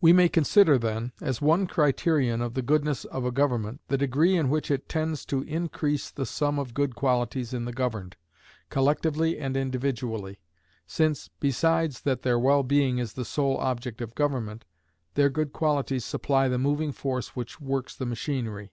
We may consider, then, as one criterion of the goodness of a government, the degree in which it tends to increase the sum of good qualities in the governed, collectively and individually, since, besides that their well being is the sole object of government, their good qualities supply the moving force which works the machinery.